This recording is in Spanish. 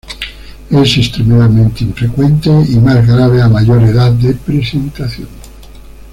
Es extremadamente infrecuente, y más grave a mayor edad de presentación.